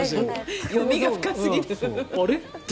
読みが深すぎる。